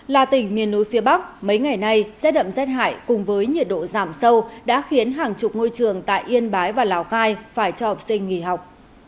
là tỉnh miền núi phía bắc mấy ngày nay rét ẩm rét hại cùng với nhiệt độ giảm sâu đã khiến hàng chục ngôi trường tại yên bái và lào cai phải cho học sinh nghỉ học